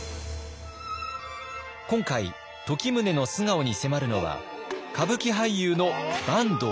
今回時宗の素顔に迫るのは歌舞伎俳優の坂東